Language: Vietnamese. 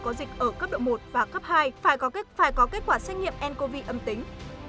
có dịch ở cấp độ một và cấp hai phải có kết quả xét nghiệm ncov âm tính